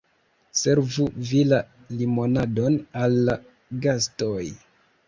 Servu vi la limonadon al la gastoj.